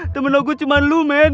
teman ogut cuma lu med